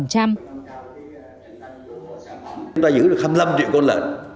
chúng ta giữ được hai mươi năm triệu con lợn